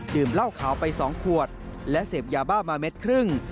เหล้าขาวไป๒ขวดและเสพยาบ้ามาเม็ดครึ่ง